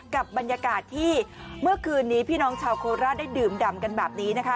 กับบรรยากาศที่เมื่อคืนนี้พี่น้องชาวโคราชได้ดื่มดำกันแบบนี้นะคะ